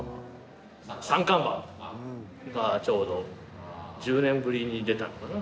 ちょうど１０年ぶりに出たのかな？